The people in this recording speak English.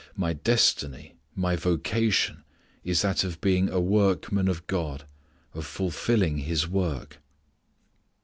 _ my destiny, my vocation, is that of being a workman of God, of fulfilling His work."